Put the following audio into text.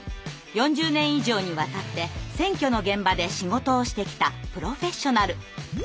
４０年以上にわたって選挙の現場で仕事をしてきたプロフェッショナル！